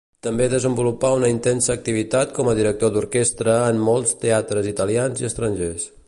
També desenvolupà una intensa activitat com a director d'orquestra en molts teatres italians i estrangers.